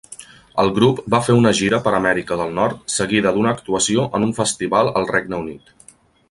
El grup va fer una gira per Amèrica del Nord, seguida d'una actuació en un festival al Regne Unit.